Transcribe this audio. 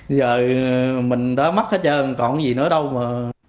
giờ mình đã mất hết trơn còn gì nữa đâu mà